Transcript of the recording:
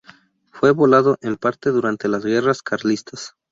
Fue volado en parte durante las guerras carlistas.